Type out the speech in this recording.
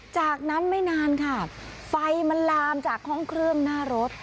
จากนั้นไม่นานค่ะไฟมันลามจากห้องเครื่องหน้ารถ